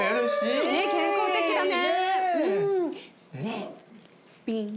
ねっ健康的だね。